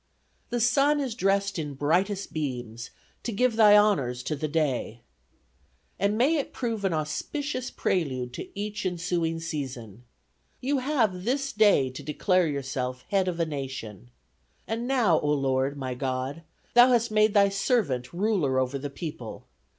"The sun is dressed in brightest beams, To give thy honors to the day. "And may it prove an auspicious prelude to each ensuing season. You have this day to declare yourself head of a nation. 'And now, O Lord, my God, thou hast made thy servant ruler over the people.